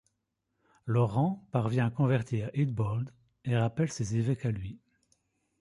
Laurent parvient à convertir Eadbald et rappelle ses évêques à lui.